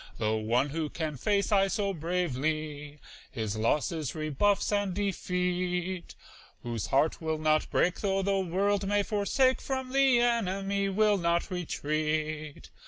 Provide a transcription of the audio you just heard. The one who can face, aye, so bravely His losses, rebuffs, and defeat; Whose heart will not break though the world may forsake, From the enemy will not retreat.